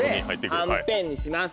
はんぺんにします。